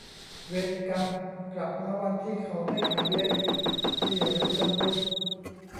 เวรกรรม กลับมาวันที่เขาไม่ขายเบียร์อีก นี่หรือเมืองพุทธ !